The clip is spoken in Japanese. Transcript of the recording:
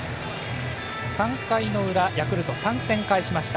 ３回の裏ヤクルト３点返しました。